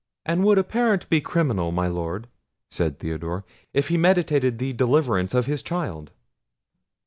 "And would a parent be criminal, my Lord," said Theodore, "if he meditated the deliverance of his child?"